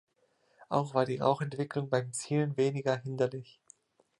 Auch war die Rauchentwicklung beim Zielen weniger hinderlich.